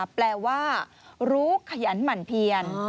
แปลว่ารู้ขยันหมั่นเพียน